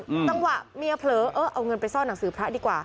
จังหวะเมียเผลอเออเอาเงินไปซ่อนหนังสือพระดีกว่า